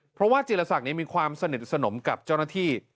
เพราะว่าจีรศักดิ์มีความสนิทสนมกับเจ้าหน้าที่